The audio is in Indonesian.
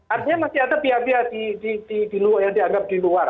artinya masih ada pihak pihak yang dianggap di luar